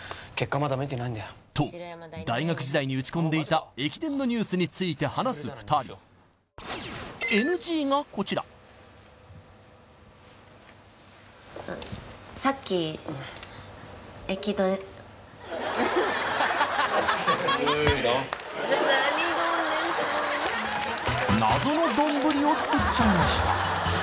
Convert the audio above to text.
まだ見てないんだよと大学時代に打ち込んでいた駅伝のニュースについて話す２人ＮＧがこちら何どんですかごめん謎の丼を作っちゃいました